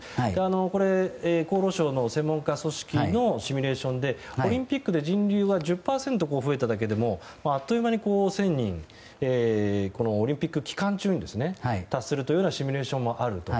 これ、厚労省の専門家組織のシミュレーションでオリンピックで人流が１０％増えただけでもあっという間にオリンピック期間中に１０００人に達するというようなシミュレーションもあると。